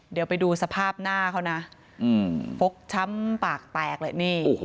เดี๋ยวไปดูสภาพหน้าเขานะฟกช้ำปากแตกเลยนี่